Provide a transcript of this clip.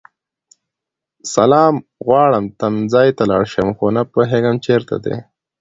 سلام غواړم تمځای ته لاړشم خو نه پوهيږم چیرته دی